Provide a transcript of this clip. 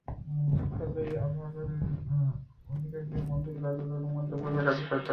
সরকারি আধিকারিকরা মন্ত্রীর কার্যালয় ও মন্ত্রক পরিচালনার কাজে সহায়তা করেন।